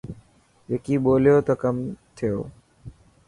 وڪي ٻولو ته ڪم ٿيو.